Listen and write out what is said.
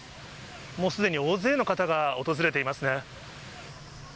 もうすでに大勢の方が訪れていますね。